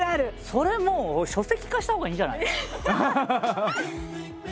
それもう書籍化したほうがいいんじゃない？